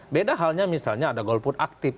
beda halnya misalnya ada golput aktif